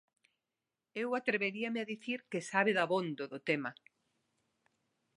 Eu atreveríame a dicir que sabe dabondo do tema.